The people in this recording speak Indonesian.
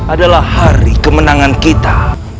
adalah hari kemenangan kita